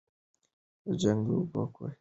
د جنګ د اوبو کوهي تر ټولو مهم وو.